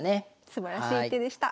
すばらしい手でした。